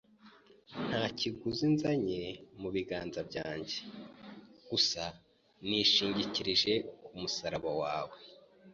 Nta kiguzi nzanye mu biganza byanjye; gusa nishingikirije ku musaraba wawe